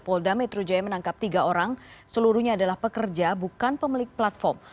polda metro jaya menangkap tiga orang seluruhnya adalah pekerja bukan pemilik platform